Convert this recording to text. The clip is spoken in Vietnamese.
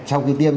sau khi tiêm